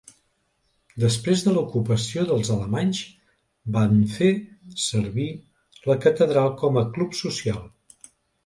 Després de l'ocupació dels alemanys, van fer servir la catedral com a club social.